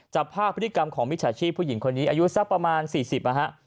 จับภาพพฤติกรรมของมิจฉาชีพผู้หญิงคนนี้อายุสักประมาณ๔๐นะฮะ